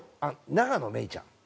永野芽郁ちゃん。